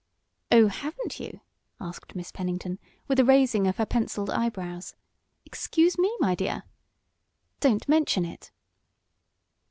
"Oh, haven't you?" asked Miss Pennington, with a raising of her penciled eyebrows. "Excuse me, my dear!" "Don't mention it!"